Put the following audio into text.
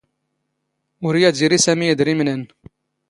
ⵓⵔ ⵢⴰⴷ ⵉⵔⵉ ⵙⴰⵎⵉ ⵉⴷⵔⵉⵎⵏ ⴰⵏⵏ.